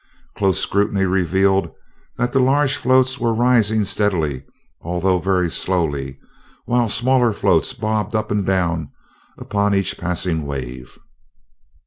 Close scrutiny revealed that the large floats were rising steadily, although very slowly; while smaller floats bobbed up and down upon each passing wave.